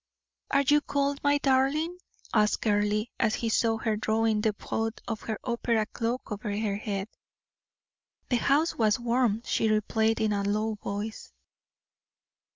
"Are you cold, my darling?" asked Earle, as he saw her drawing the hood of her opera cloak over her head. "The house was warm," she replied, in a low voice.